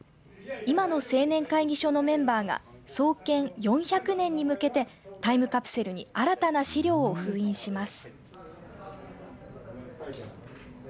今の青年会議所のメンバーが創建４００年に向けてタイムカプセルに新たな資料を封印します。